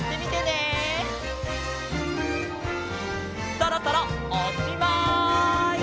そろそろおっしまい！